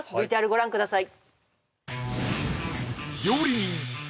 ＶＴＲご覧ください